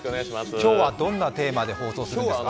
今日はどんなテーマで放送されるんですか？